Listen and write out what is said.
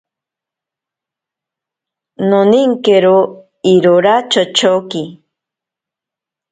Noninkero irora chochoki.